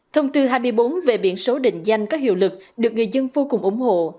thông tư hai mươi bốn về biển số định danh có hiệu lực được người dân vô cùng ủng hộ